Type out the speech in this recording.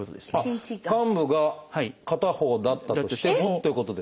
患部が片方だったとしてもということですか？